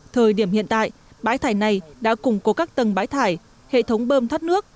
thời điểm hiện tại bãi thải này đã củng cố các tầng bãi thải hệ thống bơm thoát nước